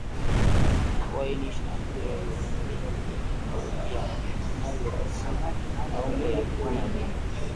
uainishaji wa vipengele vya kifonolojia vinavyoathiri maumbo ya mofimu